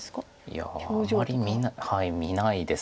いやあまり見ないです。